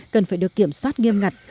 cần phải được kiểm soát nghiêm ngặt